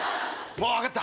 分かった